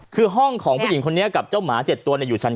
คือห้องของผู้หญิงคนนี้กับเจ้าหมา๗ตัวอยู่ชั้น๒